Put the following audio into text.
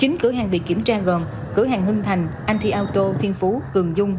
chính cửa hàng bị kiểm tra gồm cửa hàng hưng thành anti auto thiên phú cường dung